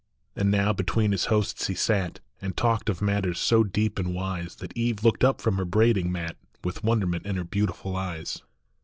And now between his hosts he sat, And talked of matters so deep and wise That Eve looked up from her braiding mat With wonderment in her beautiful eyes.